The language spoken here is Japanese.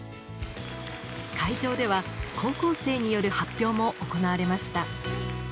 会場では高校生による発表も行われました。